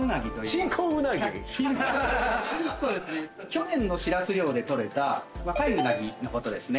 去年のしらす漁で取れた若いうなぎのことですね。